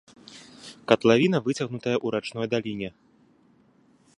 Катлавіна выцягнутая ў рачной даліне.